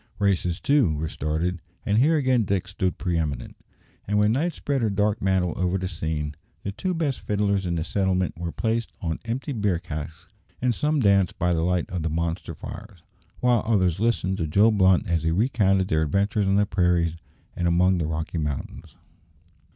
Races, too, were started, and here again Dick stood pre eminent; and when night spread her dark mantle over the scene, the two best fiddlers in the settlement were placed on empty beer casks, and some danced by the light of the monster fires, while others listened to Joe Blunt as he recounted their adventures on the prairies and among the Rocky Mountains.